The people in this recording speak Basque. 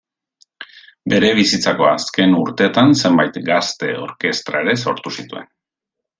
Bere bizitzako azken urteetan zenbait gazte-orkestra ere sortu zituen.